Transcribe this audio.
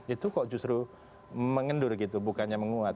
itu kok justru mengendur gitu bukannya menguat